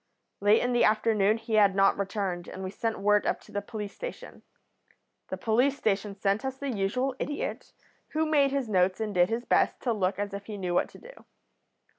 "Late in the afternoon he had not returned, and we sent word up to the police station. The police station sent us the usual idiot, who made his notes and did his best to look as if he knew what to do.